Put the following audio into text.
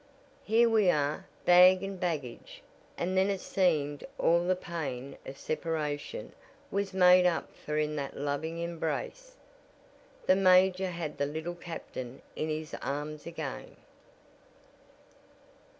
"Here we are, bag and baggage," and then it seemed all the "pain of separation" was made up for in that loving embrace the major had the Little Captain in his arms again.